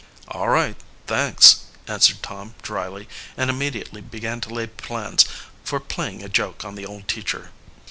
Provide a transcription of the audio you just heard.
"All right; thanks," answered Tom dryly, and immediately began to lay plans for playing a joke on the old teacher.